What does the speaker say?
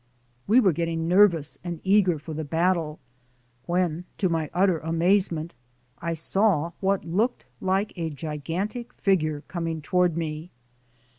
We were getting nervous and eager for the battle, when to my utter amazement I saw what looked like a gigantic figure coming toward me.